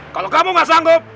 kalau kamu gak sanggup